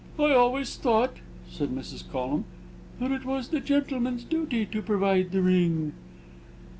"I always thought," said Mrs. Collum, "that it was the gentleman's duty to provide the ring."